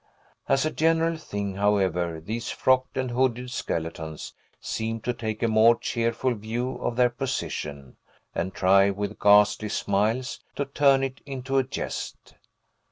As a general thing, however, these frocked and hooded skeletons seem to take a more cheerful view of their position, and try with ghastly smiles to turn it into a jest.